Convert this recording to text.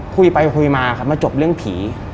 คุยไปคุยมาครับมาจบเรื่องผี